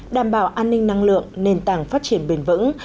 đảm bảo an ninh năng lượng nền tảng phát triển bền vững